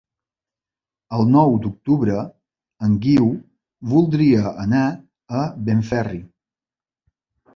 El nou d'octubre en Guiu voldria anar a Benferri.